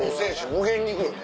無限にいくよね。